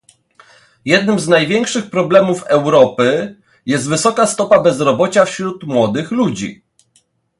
Jednym z największych problemów Europy jest wysoka stopa bezrobocia wśród młodych ludzi